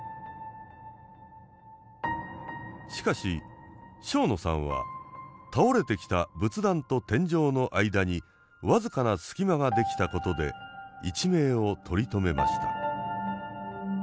しかし庄野さんは倒れてきた仏壇と天井の間に僅かな隙間が出来たことで一命を取り留めました。